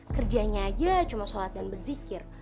kerjanya aja cuma sholat dan berzikir